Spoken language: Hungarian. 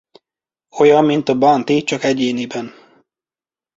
Olyan mint a Bounty csak egyéniben.